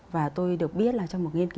và tôi được biết là trong một nghiên cứu